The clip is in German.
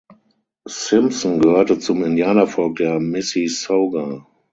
Simpson gehörte zum Indianervolk der Mississauga.